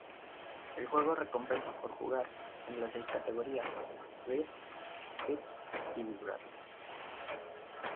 El juego recompensa por jugar en las seis categorías: rhythm, pitch, y vibrato.